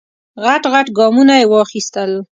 غټ غټ ګامونه یې واخیستل.